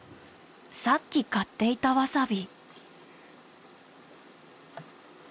さっき買っていたワサビ。